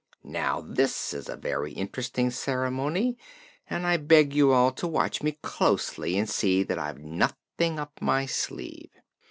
Now, this is a very interesting ceremony and I beg you all to watch me closely and see that I've nothing up my sleeve."